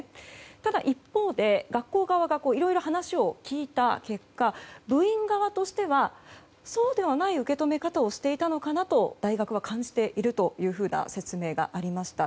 ただ一方で学校側がいろいろ話を聞いた結果部員側としては、そうではない受け止め方をしていたのかなと大学は感じているというふうな説明がありました。